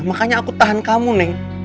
makanya aku tahan kamu neng